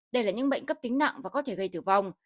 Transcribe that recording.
đây là những bệnh cấp tính nặng và có thể gây tử vong